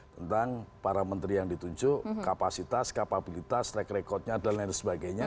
tentang para menteri yang ditunjuk kapasitas kapabilitas track recordnya dan lain sebagainya